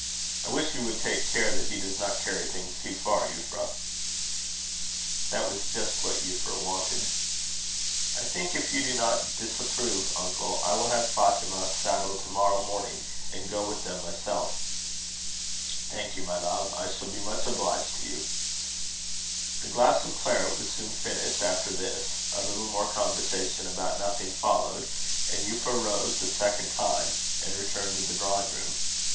"I wish you would take care that he does not carry things too far, Euphra." This was just what Euphra wanted. "I think, if you do not disapprove, uncle, I will have Fatima saddled to morrow morning, and go with them myself." "Thank you, my love; I shall be much obliged to you." The glass of claret was soon finished after this. A little more conversation about nothing followed, and Euphra rose the second time, and returned to the drawing room.